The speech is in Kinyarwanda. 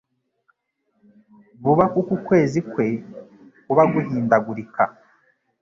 vuba kuko ukwezi kwe kuba guhindagurika;